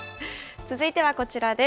続いてはこちらです。